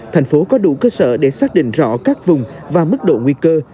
thành phố có đủ cơ sở để xác định rõ các vùng và mức độ nguy cơ